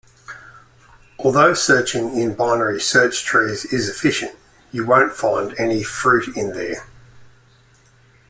Although searching in binary search trees is efficient, you won't find any fruit in there.